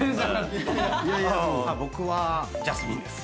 僕はジャスミンです。